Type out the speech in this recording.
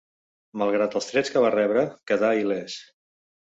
Malgrat els trets que va rebre, quedà il·lès.